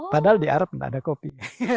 padahal di arab tidak ada kopi